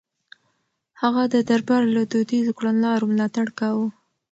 هغه د دربار له دوديزو کړنلارو ملاتړ کاوه.